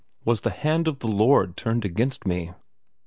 Was the hand of the Lord turned against me?